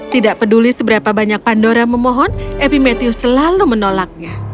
tidak peduli seberapa banyak pandora memohon epimetheus selalu menolaknya